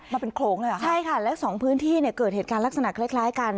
มันเป็นโขลงเลยเหรอคะใช่ค่ะและสองพื้นที่เนี่ยเกิดเหตุการณ์ลักษณะคล้ายคล้ายกัน